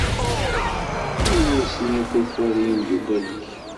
Ini-asen ar tufat i yimeddukal-ik.